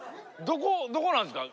どこなんですか？